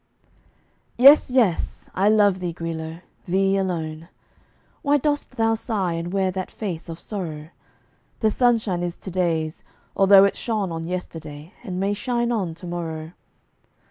Yes, yes! I love thee, Guilo; thee alone. Why dost thou sigh, and wear that face of sorrow? The sunshine is to day's, although it shone On yesterday, and may shine on to morrow.